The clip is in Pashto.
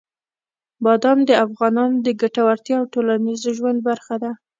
بادام د افغانانو د ګټورتیا او ټولنیز ژوند برخه ده.